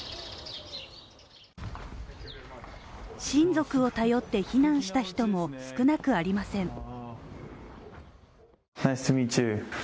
親族を頼って避難した人も少なくありません。